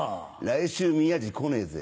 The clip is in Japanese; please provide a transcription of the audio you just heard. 来週宮治来ねえぜ。